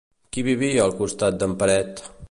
Qui vivia al costat d'en Peret?